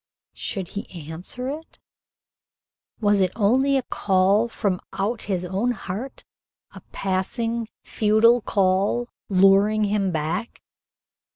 Should he answer it? Was it only a call from out his own heart a passing, futile call, luring him back?